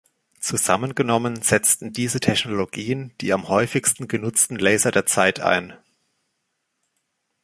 Zusammengenommen setzten diese Technologien die am häufigsten genutzten Laser der Zeit ein.